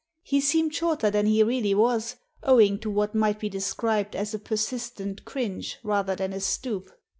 He seemed shorter than he really was, owing to what might be described as a persistent cringe rather than a stoop.